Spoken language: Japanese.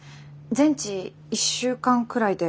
全治１週間くらいで。